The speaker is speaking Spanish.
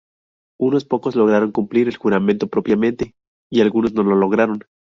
Unos pocos lograron cumplir el juramento propiamente y algunos no lo lograron.